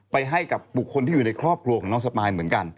ให้กับบุคคลที่อยู่ในครอบครัวของน้องสปายเหมือนกัน